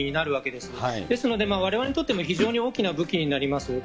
ですので、われわれにとっても非常に大きな武器になります。